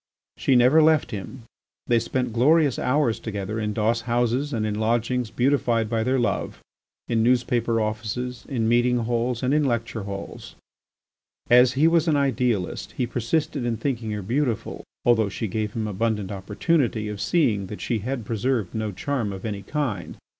She never left him. They spent glorious hours together in doss houses and in lodgings beautified by their love, in newspaper offices, in meeting halls and in lecture halls. As he was an idealist, he persisted in thinking her beautiful, although she gave him abundant opportunity of seeing that she had preserved no charm of any kind.